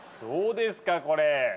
どうですかこれ。